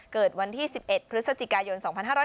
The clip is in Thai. เกิดวันที่๑๑พฤศจิกายน๒๕๕๙